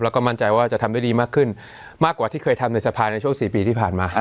แล้วก็มั่นใจว่าจะทำได้ดีมากขึ้นมากกว่าที่เคยทำในสภาในช่วง๔ปีที่ผ่านมา